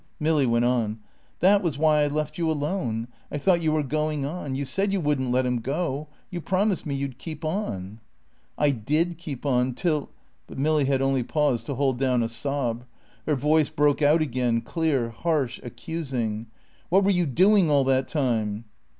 Milly went on. "That was why I left you alone. I thought you were going on. You said you wouldn't let him go; you promised me you'd keep on ..." "I did keep on, till ..." But Milly had only paused to hold down a sob. Her voice broke out again, clear, harsh, accusing. "What were you doing all that time?"